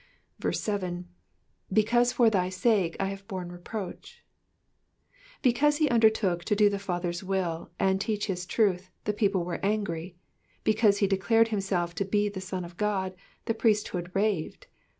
7. ''''Because for thy sake I ha/oe home reproach.'*'* Because he undertook to do the Father's will, and teach his truth, the people were angry ; because he declared himself to be the Son of God, the priesthood raved.